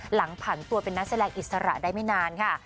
หลังผันตัวเป็นนักแสดงอิสระได้ไม่นานค่ะ